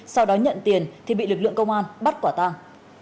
sau đó nhận tiền thì bị lực lượng công an bắt quả tàng